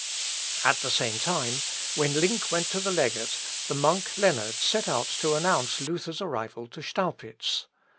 At the same time, when Link went to the legate, the monk Leonard set out to announce Luther's arrival to Staupitz.